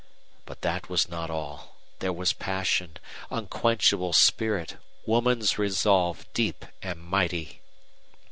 But that was not all. There was passion, unquenchable spirit, woman's resolve deep and mighty.